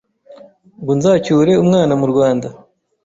ngo nzacyure umwana mu Rwanda!